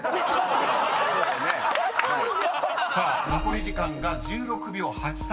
［さあ残り時間が１６秒８３。